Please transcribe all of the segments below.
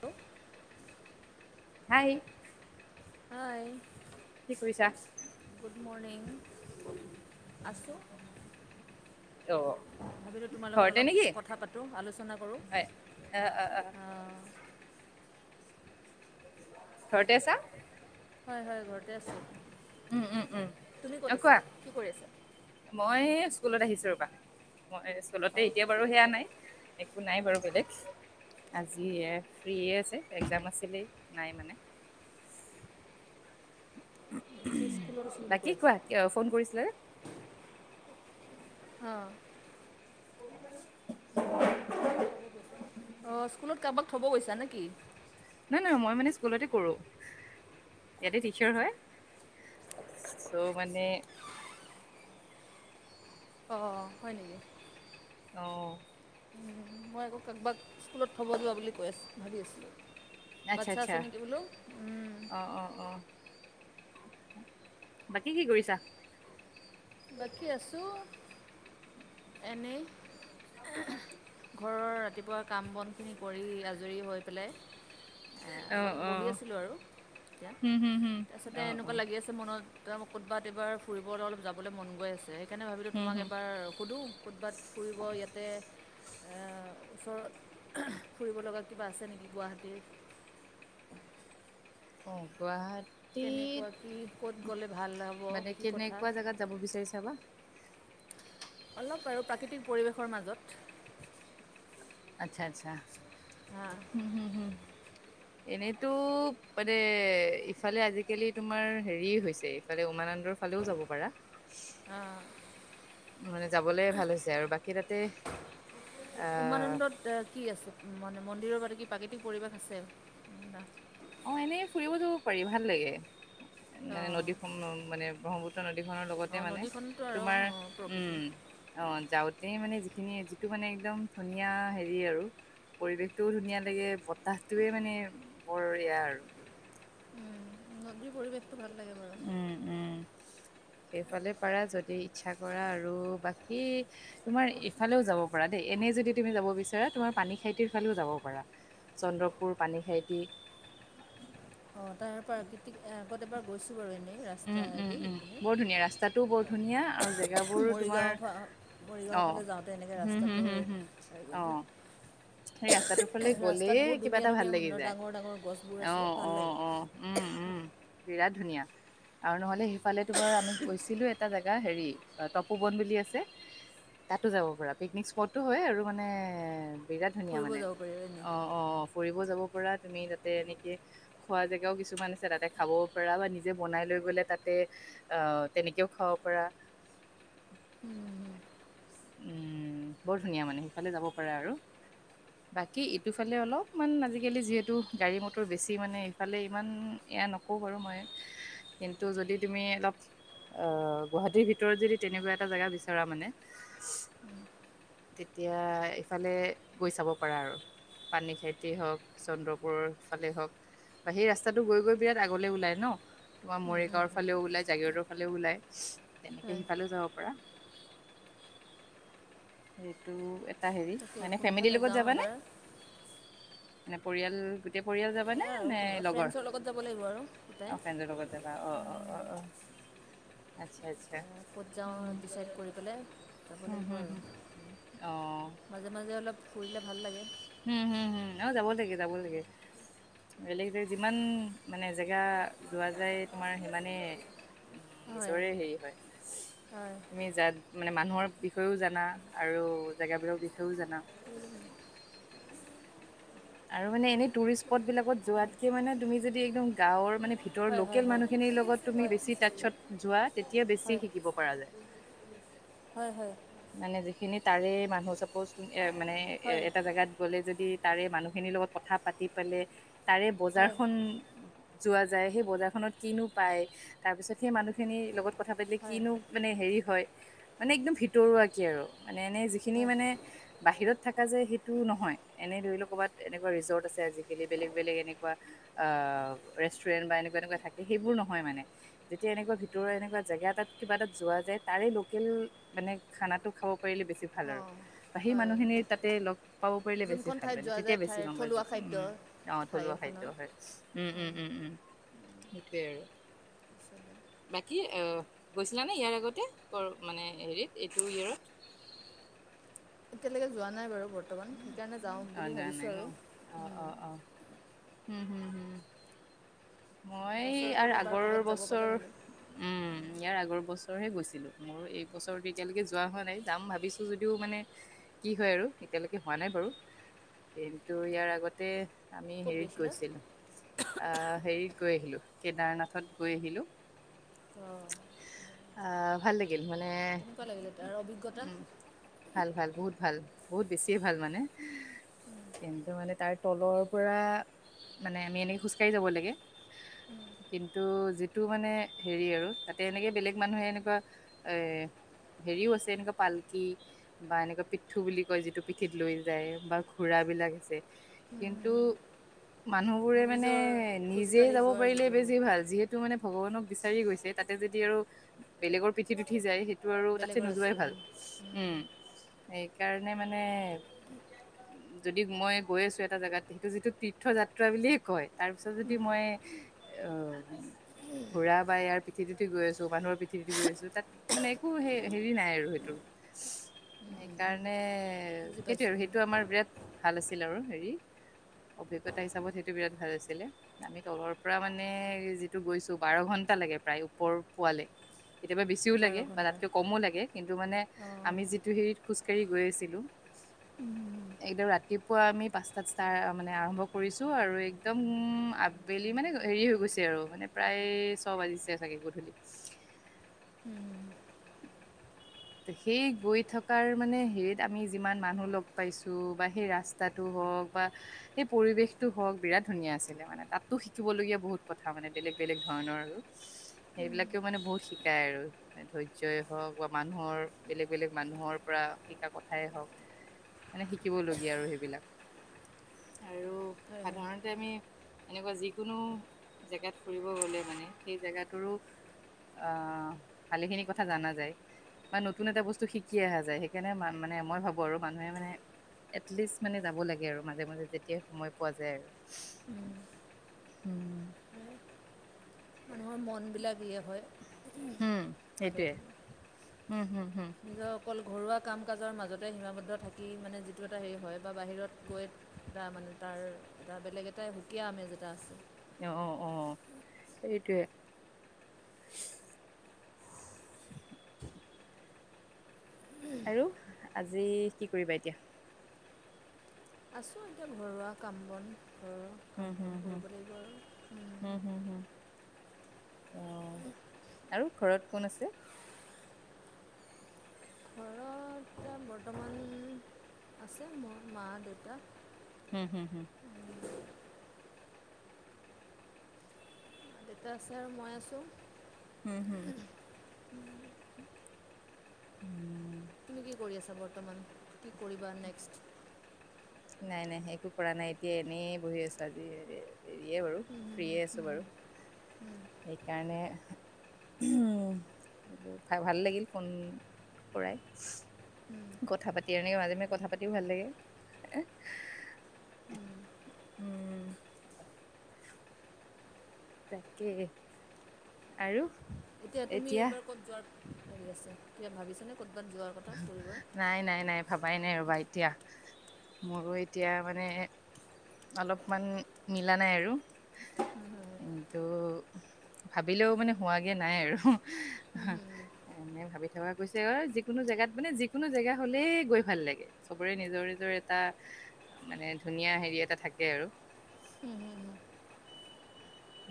তটো [unintelligible] হাই। হাই। কি কৰিছা গুড মৰ্ণিং, আছোঁ। অ' ভাবিলো তোমাৰ লগত ঘৰতে অলপ নেকি কথা পাতোঁ আলোচনা হয় অ' অ' অ' কৰোঁ। ঘৰতে আছা? হয়-হয়। ঘৰতে আছোঁ। উম উম উম তুমি ক'ত অ' আছা, কোৱা কি কৰি আছা? মই স্কুলত আহিছো ৰবা। মই স্কুলতে অঁ এতিয়া বাৰু সেয়া নাই একো নাই বাৰু বেলেগ, আজি ফ্ৰী আছে একজাম আছিলেই, নাই মানে। এই স্কুলত আছোঁ বুলি কৈ বাকী আছে কোৱা? কিয় ফোন কৰিছিলে? অঁ ় [inaudible] অ স্কুলত কাৰোবাক থব গৈছা নেকি? ন নহয় মই মানে স্কুলতে কৰোঁ ইয়াতে টিচাৰ হয় চৌ' মানে অ হয় নেকি? আহ মই আকৌ কাৰোবাক স্কুলত থ'ব যোৱা বুলি কৈ আছো ভাবি আছিলোঁ। আচ্ছা বাচ্ছা আচ্ছা আছে নেকি বোলো উম অ' অ' অ' বাকী কি কৰিছা? বাকী আছো এনেই। ঘৰৰ ৰাতি ৰাতিপুৱা কাম বনখিনি কৰি আজৰি হৈ। পেলাই অলপ অ' বহি অ' আছিলোঁ আৰু এতিয়া হুম হুম হুম তাৰপিছতে অ' এনেকুৱা অ' লাগি আছে মনত তই মোক কৰোবাত এবাৰ ফৰিবলৈ অলপ যাব যাবলে মন গৈ আছে। সেইকাৰণে ভাবিলোঁ, হুম, তোমাক হুম। এবাৰ সোধোঁ কোটবাত ফুৰিব ইয়াতে। ওচৰত ফুৰিব লগা কিবা আছে নেকি গুৱাহাটীৰ? অ, গুৱাহাট। কেনেকুৱা কি ক'ত গ'লে ভাল হ'ব মানে কি কথা। কেনেকুৱা জেগাত যাব বিচাৰিছা বা? অলপ আৰু প্ৰাকৃতিক পৰিৱেশৰ মাজত। আচ্ছা আচ্ছা। হা উম হম হম। এনেতো মানে ইফালে আজিকালি তোমাৰ হেৰি হৈছে ইফালে। তলৰ ফালেও যাব পাৰা। মানে, যাবলৈ ভাল হৈছে আৰু বাকী। বাকি তাতে। আহ উমানন্দত। কি আছে, মানে মন্দিৰৰ পৰা কি প্ৰাকৃতিক পৰিৱেশ আছে তাত। অ, এনেই ফুৰিব যাব পাৰি ভাল লাগে। মানে অঁ নদীখন মানে ব্ৰহ্মপুত্ৰ। নদীখনৰ লগতে অঁ মানে নদীখনতো আৰু তুমাৰ অঁ প্ৰকৃতি আহ উম যাওঁতে মানে যি। সখিনিয়ে যিটো মানে একদম ধুনীয়া হেৰি আৰু পৰিৱেশটোও ধুনীয়া লাগে, বতাহটোৱে মানে বৰ। বেয়া আৰু। উম নদী পৰিবেশটো ভাল লাগে। বাৰু উম উম, সেইফালে পাৰা যদি ইচ্ছা কৰা আৰু বাকী তোমাৰ ইফালেও যাব পাৰা দেই এনেই যদি তুমি যাব বিচাৰা তোমাৰ পানী খাইটিৰ ফালেও যাব পাৰা চন্দ্ৰপুৰ পানী খাইতি। অ তাৰ প্ৰাকৃতিক ফটগেতৰ [unintelligible] গৈছো বাৰু এনেই। উম উম ৰাস্তাইদি উম ইপিনে বৰ ধুনীয়া ৰাস্তাটোও বৰ ধুনীয়া আৰু জেগাবোৰো তোমাৰ মৰিগাঁও ফা মৰিগাঁও অ ফালে যাওঁতে এনেকৈ ৰাস্তাটো হেৰি অ কৰিছোঁ সেই ৰাস্তাটোৰ ফালে গ'লে ৰাস্তাত বহুত কিবা ধুনীয়া এটা ধুনীয়া ভাল লাগি সুন্দৰ যায় ডাঙৰ ডাঙৰ গছবোৰ আছে অ। ভাল লাগে। অ', অ', উম, উম, বিৰাট ধুনীয়া। আৰু নহলে সেইফালে। আমি গৈছিলো এটা জাগা। হেৰি তপো বন বুলি আছে তাতো যাব পৰা, পিকনিক স্পটো হয় আৰু মানে। বিৰাট ধুনীয়া ফুৰিব মানে, যাব পাৰি আৰু এনেই অঁ অঁ অঁ ফুৰিব যাব। তুমি তাতে এনেকে খোৱা জেগাও কিছুমান আছে তাতে খাবও পাৰা বা নিজে বনাই লৈ। বোলে তাতে অ তেনেকেও খাব পাৰা। উম হম। উম বৰ ধুনীয়া মানে সিফালে যাব পাৰা আৰু বাকী ইটোফালে অলপমান আজিকালি যিহেতু গাড়ী মটৰ বেছি মানে ইফালে ইমান এয়া নকওঁ বাৰু মই কিন্ত। ত যদি তুমি অলপ আহ, গুৱাহাটীৰ ভিতৰত যদি তেনেকুৱা এটা জোগা বিচৰা মানে, তেতিয়া ইফালে গৈ চাব পাৰা আৰু পানী খাইততি হওক চন্দ্ৰপুৰৰ ফালে হওক বা সেই ৰাস্তাটো গৈ গৈ বিৰাট আগলে ওলাই ন। তোমাৰ মৰি। ওলাই জাগিৰদৰ ফালে ওলায়। তেনেকে হয় সিফালেও যাব পাৰা। সেইটো হেৰি তাকে মানে ফেমিলিৰ কোনফালে লগত যাওঁ যাবানে? এবাৰ মানে পৰিয়াল গোটেই পৰিয়াল যাবানে? নে কোনবা লগৰ ফ্ৰেণ্ডছৰ লগত যাব লাগিব আৰু তটাই‍ উম অহ আচ্ছা আচ্ছ। ক'ত যাওঁ ডিচাইড কৰি পেলাই। যাব হুম লাগিব হুম আৰু মাজে মাজে অলপ ফুৰিলে ভাল লাগে। অ যাব লাগে যাব লাগে বেলেগ জেগাত যিমান মানে জেগা যোৱা যায় তোমাৰ সিমানেই হয় নিজৰে হেৰি হয় হয় তুমি যাত মানে মানুহৰ। বিষয়েও জানা আৰু জেগাবিলাকৰ বিষয়েও জানা। আৰু মানে এনেই তুৰিষ্ট স্পত বিলাকত যোৱাতকে মানে তুমি যদি একদম গাঁৱৰ মানে। ভিতৰ হয় হয় লোকেল হয় মানুহখিনিৰ লগত তুমি হয় বেছি টাটছত যোৱা। এতিয়া বেছি হয় শিকিব পৰা যায়। হয় হয় মানে যিখিনি তাৰে মানুহ চাপ'জ এ মানে এ এটা জেগাত গ'লে যদি। তাৰে মানুহখিনিৰ লগত কথা পাতি পেলাই তাৰে হয় বজাৰখন যোৱা যায় সেই বজাৰখনত কিনো পায় তাৰপিছত সেই মানুহখিনিৰ লগত। কথা পাতিলে হয় কিনো মানে হেৰি। হয় মানে একদম ভি। ভিতৰুৱাকে আৰু মানে এনে যিখিনি হয় মানে বাহিৰত থাকে। থকা যে সেইটো নহয় এনেই ধৰি লওক ক'ৰবাত এনেকুৱা ৰিজৰ্ট আছে আজিকালি বেলেগ বেলেগ এনেকুৱা ৰেষ্টুৰেণ্ট বা এনেকুৱা এনেকুৱা থাকে সেইবোৰ নহয় মানে যেতিয়া এনেকুৱা ভিতৰৰ এনেকুৱা জেগা এটাত কিবা এটাত যোৱা যায় তাৰে লোকেল মানে খানাটো খাও বেছি ভাল আৰু সেই হয় মানুহখিনি তাতে লগ পাব পাৰিলে বেছি যোনখন ভাল ঠাইত মানে যোৱা তেতিয়া যায় বেছি ঠাই গম পাই যে থলুৱা খাদ্য উম গাৱত ঠাই থলুৱা এখনৰ খাদ্য হয়। উম উম উম আচলতে। উম সেইটোৱেই আৰু বাকী গৈছিলানে ইয়াৰ আগতে ক মানে হেৰিত এইটো ইয়েৰত এতিয়ালৈকে যোৱা নাই বাৰু বৰ্তমান সেইকাৰণে যাওঁ অ বুলি যোৱা নাই ভাবিছোঁ আৰু হম হম হম মই ই বছৰটোত এবাৰ আগৰ ক'ৰবাত যাব পালে বছৰ ভালে উম ইয়াৰ আগৰ বছৰ বছৰহে গৈছিলো মোৰ এই বছৰটো এতিয়ালৈকে যোৱা হোৱা নাই যাম ভাবিছোঁ যদিও মানে কি হয় আৰু এতিয়ালৈকে হোৱা নাই বাৰু কিন্তু ইয়াৰ আগতে আমি ক'ত হেৰিত গৈছিলা গৈছিলোঁ আ হেৰিত গৈ আহিলোঁ কেদাৰনাথত গৈ আহিলোঁ অঁ আ ভাল লাগিল। মানে কেনেকুৱা লাগিলে তাৰ অভিজ্ঞতা ভাল ভাল বহুত ভাল বহুত বেছিয়ে ভাল মানে কিন্তু মানে তাৰ তলৰ পৰা মানে আমি এনেকৈ খোজকাঢ়ি যাব লাগে কিন্তু যিটো মানে হেৰি আৰু তাতে এনেকৈ বেলেগ মানুহে এনেকুৱা হেৰিও আছে এনেকুৱা পালকি বা এনেকুৱা পিঠু বুলি কয় যিটো পিঠিত লৈ যায় বা ঘোঁৰা বিলাক আছে কিন্তু মানুহবোৰে মানে নিজৰ নিজে খোজকাঢ়ি যাব যোৱাৰ পাৰিলে যিটো বেছি ভাল যিহেতু মানে ভগৱানক বিচাৰি গৈছে তাতে যদি আৰু বেলেগৰ পিঠিত উঠি যায় সেই সেটো আৰু তাতকে বেলেগৰ নোযোৱাই ভাল আচৰণ উম সেইকাৰণে নে মানে যদি মই গৈ আছো এটা জেগাত সেইটো যিটো তীৰ্থ যাত্ৰা বুলিয়ে কয় তাৰপিছত যদি মই অ ঘোঁৰা বা ইয়াৰ পিঠি উঠি গৈ আছো মানুহৰ পিঠি উঠি গৈ আছো তাত মানে একো হেৰি নাই আৰু সেইটো সেইকাৰণে নে এ বুজি সেইটোয়ে আৰু পাইছোঁ সেইটো আমাৰ বিৰাট ভাল আছে আৰু হেৰি অভিজ্ঞতা হিচাপত সেইটো বিৰাট ভাল আছিলে আমি তলৰ পৰা মানে যিটো গৈছো বাৰ ঘন্টা লাগে প্ৰায় ওপৰ পোৱালে কেতিয়াবা বেছিও বাৰ লাগে বা ঘণ্টা তাতকৈ কমো লাগে কিন্তু মানে অঁ আমি যিটো হেৰিত খোজ হেৰি গৈ আছিলোঁ একদম ৰাতি ৰাতিপুৱা আমি পাঁচটাত ষ্টাৰ মানে আৰম্ভ কৰিছোঁ আৰু একদম আবেলি মানে হেৰি হৈ গৈছে আৰু মানে প্ৰায় ছয় বাজিছে চাগে গধূলি উম সেই গৈ থকাৰ মানে হেৰিত আমি যিমান মানুহ লগ পাইছো বা সেই ৰাস্তাটো হওঁক বা সেই পৰিৱেশটো হওঁক বিৰাট ধুনীয়া আছিলে মানে তাতো শিকিবলগীয়া বহুত কথা মানে বেলেগ বেলেগ ধৰণৰ আৰু সেইবিলাকেও মানে বহুত শিক শিকাই আৰু ধৈৰ্যই হওঁক বা মানুহৰ বেলেগ বেলেগ মানুহৰ পৰা শিকা কথাই হওঁক মানে শিকিবলগীয়া আৰু সেইবিলাক আৰু হয় হয় সাধাৰণতে আমি এনেকুৱা যিকোনো জেগাত ফুৰিব গ'লে মানে সেই জেগাটোৰো আ ভালেখিনি কথা জানা যায় বা নতুন এটা বস্তু শিকি অহা যায় সেইকাৰণে মানে মই ভাবো আৰু মানুহে মানে এটলিষ্ট মানে যাব লাগে আৰু মাজে মাজে যেতিয়াই সময় পোৱা যায় আৰু উম হু হ মানুহৰ মনবিলাক ই হয় হম ভাল সেইটোৱে থাকে উম হম হম নিজৰ অকল ঘৰুৱা কাম কাজৰ মাজতে সীমাবদ্ধ থাকি মানে যিটো এটা হেৰি হয় বা বাহিৰত গৈ বা মানে তাৰ এটা বেলেগ এটা সুকীয়া আমেজ এটা আছে অ অ সেইটোৱে আৰু আজি কি কৰিবা এতিয়া আছোঁ এতিয়া ঘৰুৱা কাম বন ঘৰৰ কাম উম বন হম হম কৰিব লাগিব আৰু উম, হম হম হ ওৱা উম আৰু ঘৰত কোন আছে ঘৰত বৰ্তমান আছে মোৰ মা দেউতা হুম হুম হ দেউতা আছে আৰু মই আছোঁ। হম, হম। তুমি কি? কৰি আছা বৰ্তমান কি কৰিবা নেক্সট? নাই নাই একো কৰা নাই এতিয়া এনেই বহি আছো আজি, হেৰী- হেৰিয়ে বাৰু ফ্ৰিয়ে আছোঁ নেক্সট বাৰু- সেইকাৰণে, ভাল লাগিল ফোন কৰাই। কথা পাতি। এনে মাজে মাজে কথা পাতিও ভাল লাগে। উম। তাকে আৰু। এতিয়া তুমি এইবাৰ ক'ত যোৱাৰ- ি আছে কা ভাবিছে নে [unintelligible] নাই নাই নাই, ভাবাই নাই আৰু- এতিয়া, মোৰো এতিয়া মানে, অলপমান মিলা নাই আৰু, কিন্তু ভাবিলেও মানে হোৱাগে নাই আৰু এনে ভাবি থকা গৈছে- কোনো জেগাত মানে যিকোনো জেগা হ'লেই গৈ ভাল লাগে, সবৰে নিজৰ নিজৰ এটা মানে ধুনীয়া হেৰি এটা থাকে আৰু।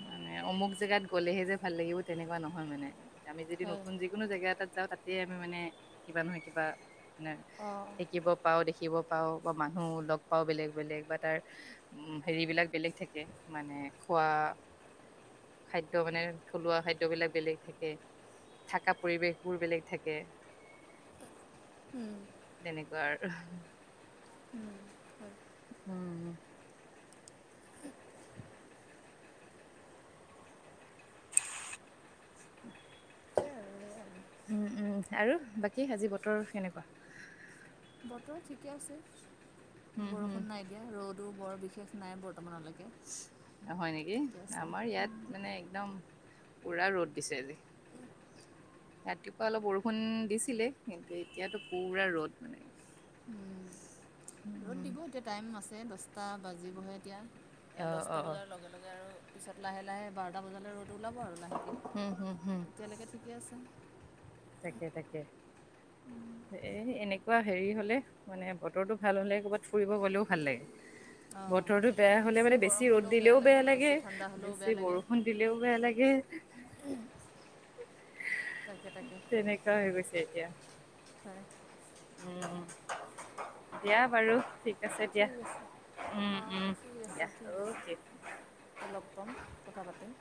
মানে অমুক জেগাত গলেহে যে ভাল লাগিব তেনেকুৱা নহয় মানে- আমি যদি হয় নতুন যিকোনো জেগা এটাত- যাওঁ তাতে আমি মানে কিবা নহয় কিবা- মানে অঁ শিকিব পাওঁ দেখিব - পাওঁ, বা মানুহ লগ পাওঁ বেলেগ বেলেগ বা তাৰ, হেৰিবিলাক বেলেগ থাকে মানে খোৱা- খাদ্য মানে থলুৱা খাদ্যবিলাক বেলেগ থাকে, থকা পৰিৱেশবোৰ বেলেগ থাকে। তেনেকুৱা আৰু। উম। উম হয়। উম। অ। সেইয়াই আৰু এই আৰু [inaudible] উম উম। আৰু বাকী আজি বতৰ কেনেকুৱা? বতৰ ঠিকে আছে। উম, হুম বৰষুণ নাই দিয়া, ৰ'দো- বৰ বিশেষ নাই, বৰ- হয় নেকি আছে আমাৰ ইয়াত মানে একদম- পুৰা ৰ'দ দিছে আজি। ৰাতিপুৱা অলপ বৰষুণ দিছিলে কিন্তু এতিয়াতো পুৰা ৰ'দ মানে- ৰ'দ উম, দিব এতিয়া টাইম আছে দচটা বাজিবহে এতিয়া। অ', দছটা অ', বজাৰ লগে লগে আৰু- পিছত লাহে লাহে বাৰটা বজালৈ ৰ'দ- ওলাব আৰু লাহেকে। উম, হুম, হুম, এতিয়ালেকে ঠিকে আছে। তাকে তাকে এই এনেকোৱা হেৰি হ'লে মানে বতৰটো ভাল হ'লে ক'ৰবাত ফুৰিব গ'লেও ভাল লাগে। অঁ বতৰটো বেয়া হ'লে মানে বেছি গৰম ৰ'দ হ'লেও দিলেও বেয়া বেছি লাগে, ঠাণ্ডা হ'লেও বেছি বেয়া লাগে বৰষুণ দিলেও বেয়া লাগে। তাকে তাকে দিগদাৰ হৈ গৈছে এতিয়া। হয় উম দিয়া বাৰু থিক। ঠিক আছে অ ঠিক আছে দিয়া ঠিক আছে অ'কে। আকৌ লগ পাম কথা পাতিম।